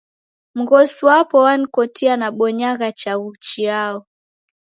Mghosi wapo wanikotia nabonyagha chaghu chiao.